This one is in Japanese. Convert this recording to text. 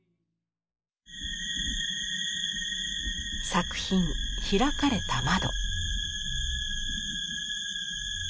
作品「開かれた窓」。